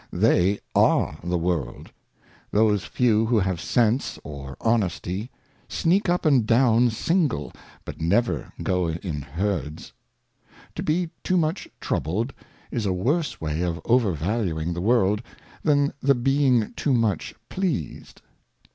They are the World; those fevi' who have Sense or Honesty sneak up and down single, but never go in Herds. To be too much troubled is a worse way of over valuing the World than the being too much pleased.